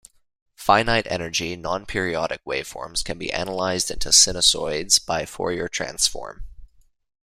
Finite-energy non-periodic waveforms can be analyzed into sinusoids by the Fourier transform.